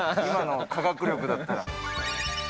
今の科学力だったら。